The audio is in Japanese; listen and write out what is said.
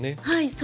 はい。